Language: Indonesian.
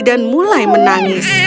dan mulai menangis